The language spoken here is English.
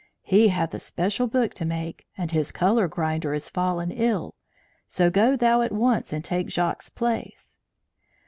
He hath a special book to make, and his colour grinder is fallen ill; so go thou at once and take Jacques's place."